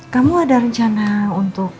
kamu ada rencana untuk